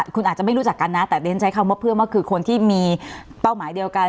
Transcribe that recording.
คุณอาจจะไม่รู้จักกันนะแต่เรียนใช้คำว่าเพื่อนว่าคือคนที่มีเป้าหมายเดียวกัน